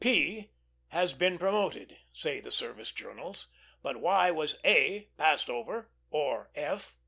P. has been promoted, say the service journals; but why was A. passed over, or F.